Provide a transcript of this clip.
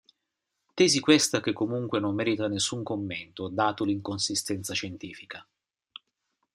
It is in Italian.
Tesi questa che comunque non merita nessun commento, dato l'inconsistenza scientifica.